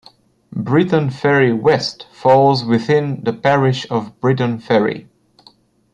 Briton Ferry West falls within the parish of Briton Ferry.